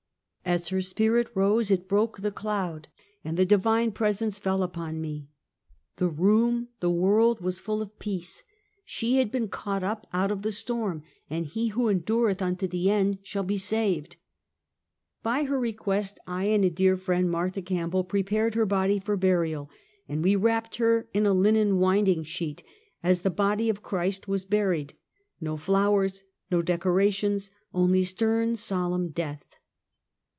As her spirit rose, it broke the cloud, and the di vine presence fell upon me. The room, the world was full of peace. She had been caught up out of the storm; and "he who endureth unto the end shall be saved." By her request, I and a dear friend, Martha Camp bell, prepared her body for burial, and we wrapped her in a linen winding sheet, as the body of Christ was buried — no flowers, no decorations; only stern, solemn Death.